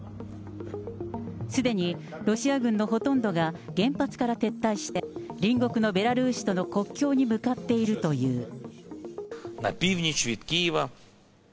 すでにロシア軍のほとんどが原発から撤退して、隣国のベラルーシとの国境に向かっているという。